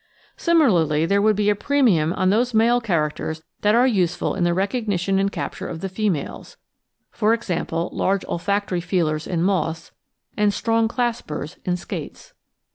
Similarly, there would be a premium on those male characters that are useful in the recognition and capture of the females, e.g. large olfactory feelers in moths and strong claspers in skates.